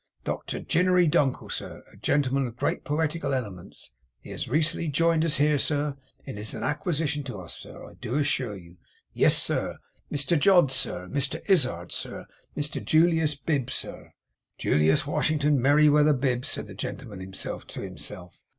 'Doctor Ginery Dunkle, sir. A gentleman of great poetical elements. He has recently jined us here, sir, and is an acquisition to us, sir, I do assure you. Yes, sir. Mr Jodd, sir. Mr Izzard, sir. Mr Julius Bib, sir.' 'Julius Washington Merryweather Bib,' said the gentleman himself TO himself.